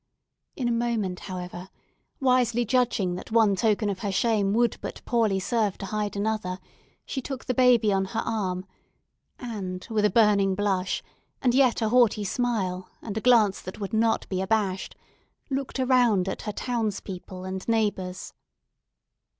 In a moment, however, wisely judging that one token of her shame would but poorly serve to hide another, she took the baby on her arm, and with a burning blush, and yet a haughty smile, and a glance that would not be abashed, looked around at her townspeople and neighbours.